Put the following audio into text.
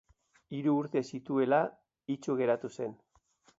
Hiru urte zituela itsu geratu zen.